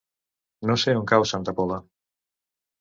No sé on cau Santa Pola.